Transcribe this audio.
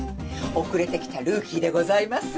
遅れてきたルーキーでございます。